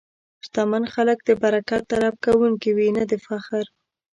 شتمن خلک د برکت طلب کوونکي وي، نه د فخر.